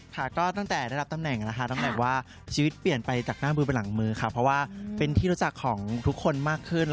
ค่ะก็ตั้งแต่ได้รับตำแหน่งนะคะตำแหน่งว่าชีวิตเปลี่ยนไปจากหน้ามือไปหลังมือค่ะเพราะว่าเป็นที่รู้จักของทุกคนมากขึ้น